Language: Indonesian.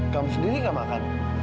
kamu sendiri gak makan